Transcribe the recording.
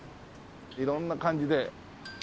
色んな感じで。